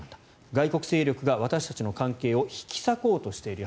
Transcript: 外国勢力が私たちの関係を引き裂こうとしている。